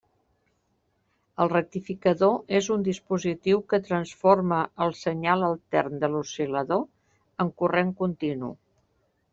El rectificador és un dispositiu que transforma el senyal altern de l'oscil·lador en corrent continu.